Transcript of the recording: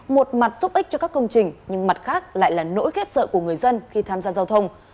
một mặt giúp ích cho các công trình nhưng mặt khác lại là nỗi ghép sợ của người dân khi tham gia giao thông